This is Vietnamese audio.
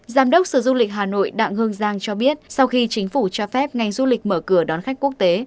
giám đốc sở du lịch hà nội đặng hương giang cho biết sau khi chính phủ cho phép ngành du lịch mở cửa đón khách quốc tế